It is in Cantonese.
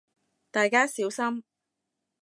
大家小心